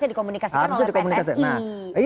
itu harusnya dikomunikasikan oleh pssi